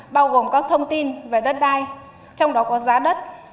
bao gồm các thông tin về đất đai trong đó có giá đất